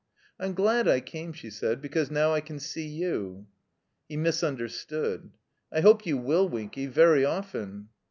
"I'm glad I came," she said. "Because now I can see you." He misunderstood. "I hope you will, Winky — very often."